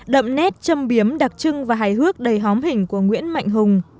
đậm nét châm biếm đặc trưng và hài hước đầy hóm hình của nguyễn mạnh hùng